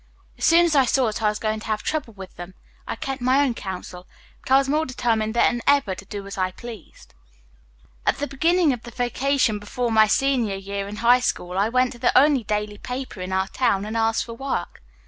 As soon as I saw that I was going to have trouble with them, I kept my own counsel, but I was more determined than ever to do as I pleased. At the beginning of the vacation before my senior year in high school I went to the only daily paper in our town and asked for work.